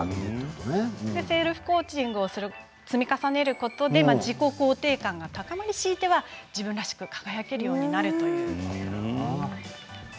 セルフコーチングの積み重ねで自己肯定感が高まるし自分らしく輝けるようになるというものです。